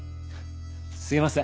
すいません。